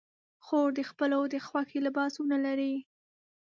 خور د خپلو د خوښې لباسونه لري.